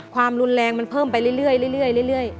ความรุนแรงมันเพิ่มไปเรื่อย